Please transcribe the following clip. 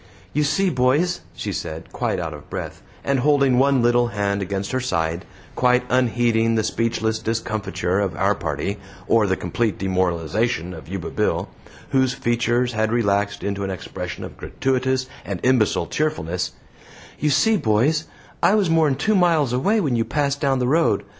"You see, boys," said she, quite out of breath, and holding one little hand against her side, quite unheeding the speechless discomfiture of our party, or the complete demoralization of Yuba Bill, whose features had relaxed into an expression of gratuitous and imbecile cheerfulness "you see, boys, I was mor'n two miles away when you passed down the road.